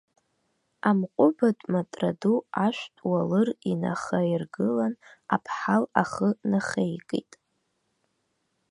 Амҟәыбатә матра ду ашәтә уалыр инахаиргылан, аԥҳал ахы нахеикит.